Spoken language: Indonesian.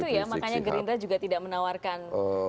atau mungkin itu ya makanya gerindra juga tidak menawarkan